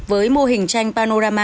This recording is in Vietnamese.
với mô hình tranh panorama